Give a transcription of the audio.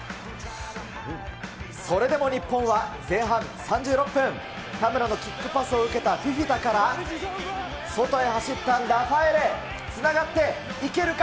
それでも日本は前半３６分、田村のキックパスを受けたフィフィタから、外へ走ったラファエレ、つながって、いけるか？